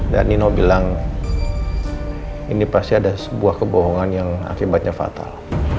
dan nino bilang ini pasti ada sebuah kebohongan yang akibatnya fatal